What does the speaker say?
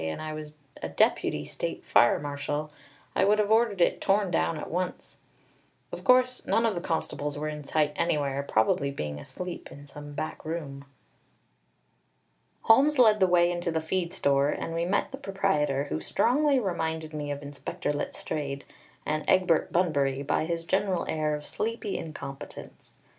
and I was a deputy state fire marshal, I would have ordered it torn down at once. Of course none of the constables were in sight anywhere, probably being asleep in some back room! Holmes led the way into the feed store, and we met the proprietor, who strongly reminded me of Inspector Letstrayed and Egbert Bunbury by his general air of sleepy incompetence.